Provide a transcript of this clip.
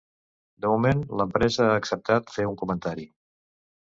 De moment, l'empresa ha acceptat fer un comentari.